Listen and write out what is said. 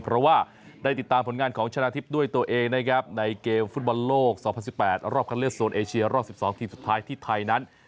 เพราะว่าได้ติดตามผลงานของชนะทิพย์ด้วยตัวเองนะครับในเกมฟุตบอลโลก๒๐๑๘รอบคันเลือกโซนเอเชียรอบ๑๒ทีมสุดท้ายที่ไทยนั้น